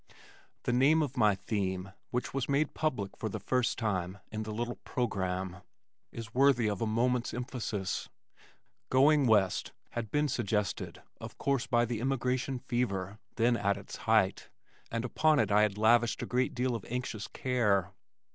The name of my theme, (which was made public for the first time in the little programme) is worthy of a moment's emphasis. Going West had been suggested, of course by the emigration fever, then at its height, and upon it I had lavished a great deal of anxious care.